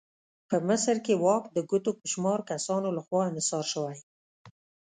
په مصر کې واک د ګوتو په شمار کسانو لخوا انحصار شوی.